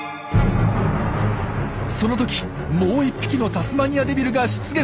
その時もう一匹のタスマニアデビルが出現。